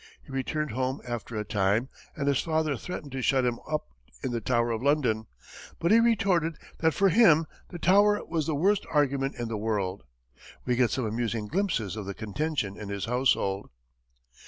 He returned home after a time, and his father threatened to shut him up in the Tower of London, but he retorted that for him the Tower was the worst argument in the world. We get some amusing glimpses of the contention in his household.